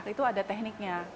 itu ada tekniknya